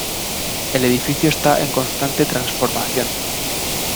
El edificio está en constante transformación.